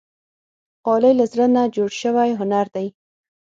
غالۍ له زړه نه جوړ شوی هنر دی.